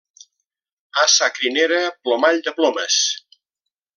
A sa crinera, plomall de plomes.